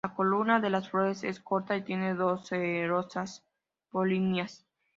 La columna de las flores es corta y tiene dos cerosas polinias.